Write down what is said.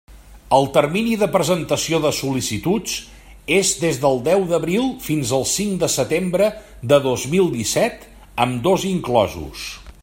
El termini de presentació de sol·licituds és des del deu d'abril fins al cinc de setembre de dos mil disset, ambdós inclosos.